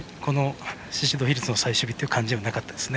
宍戸ヒルズの最終日という感じではなかったですね。